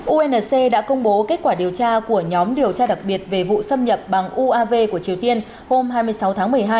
unc đã công bố kết quả điều tra của nhóm điều tra đặc biệt về vụ xâm nhập bằng uav của triều tiên hôm hai mươi sáu tháng một mươi hai